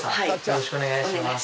よろしくお願いします